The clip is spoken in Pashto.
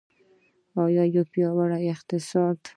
یو پیاوړی اقتصاد.